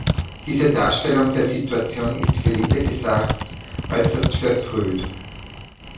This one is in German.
Diese Darstellung der Situation ist, gelinde gesagt, äußerst verfrüht.